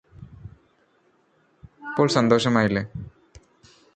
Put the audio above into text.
ഇപ്പോൾ സന്തോഷമായില്ലേ